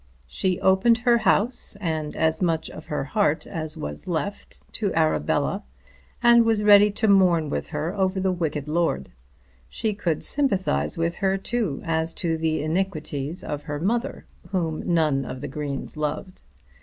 She opened her house and as much of her heart as was left to Arabella, and was ready to mourn with her over the wicked lord. She could sympathise with her too, as to the iniquities of her mother, whom none of the Greens loved.